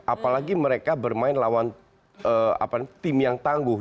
apalagi mereka bermain lawan tim yang tangguh